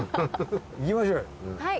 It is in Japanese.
行きましょうよ。